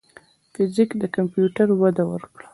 فزیک کمپیوټر ته وده ورکړه.